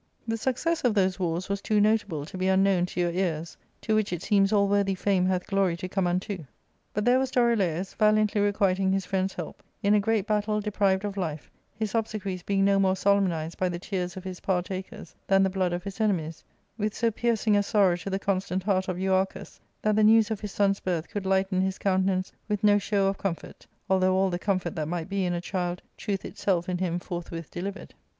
The success of those wars was too notable to be unknown to your ears, to which it seems all worthy fame hath glory to come unto. But there was Dorilaus, valiantly requiting his friend's help, in a great battle deprived of life, / his obsequies being no more solemnized by the tears of his partakers* than the blood of his enemies ; with so piercing a sorrow to the constant heart of Euarchus, that the news of his son's birth could lighten his countenance with no show of comfort, although all the comfort that might be in a child truth itself in him forthwith delivered.